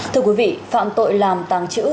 thưa quý vị phạm tội làm tàng chữ